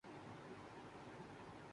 اب خوف آتا ہے